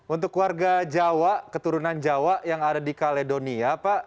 untuk warga jawa keturunan jawa yang ada di kaledonia pak